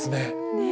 ねえ。